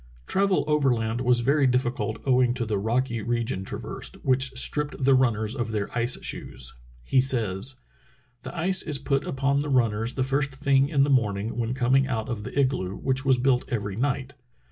Travel overland was very difficult owing to the rocky region traversed, which stripped the runners of their ice shoes. He says: "The ice is put upon the runners the first thing in the morning when coming out of the igloo, which was built every night.